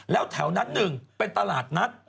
แล้วแถวนั้นหนึ่งเป็นตลาดนัด